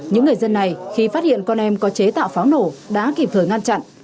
những người dân này khi phát hiện con em có chế tạo pháo nổ đã kịp thời ngăn chặn